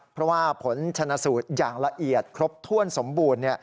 เพราะว่าผลชนะสูตรอย่างละเอียดครบถ้วนสมบูรณ์